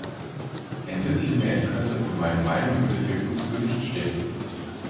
Ein bisschen mehr Interesse für meine Meinung würde dir gut zu Gesicht stehen.